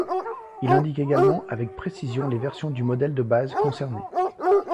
Il indique également avec précision les versions du modèle de base concernées.